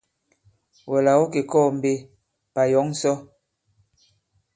Wɛ̀ là ɔ̌ kè kɔɔ̄ mbe, pà yɔ̌ŋ sɔ?